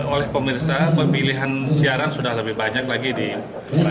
oleh pemirsa pemilihan siaran sudah lebih banyak lagi di rakyat kepulauan riau